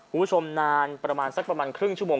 คุณผู้ชมนานประมาณสักประมาณครึ่งชั่วโมง